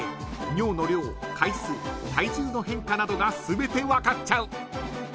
［尿の量回数体重の変化などが全て分かっちゃう］